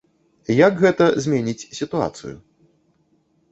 Як гэта зменіць сітуацыю?